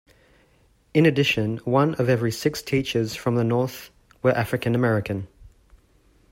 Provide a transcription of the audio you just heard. In addition, one of every six teachers from the North were African American.